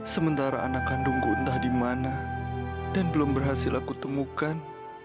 sementara anak kandungku entah di mana dan belum berhasil aku temukan